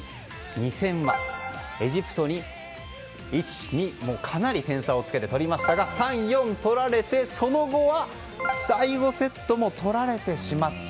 ２戦はエジプトに１、２、かなり点差をつけて取りましたが３、４取られてその後は第５セットも取られてしまった。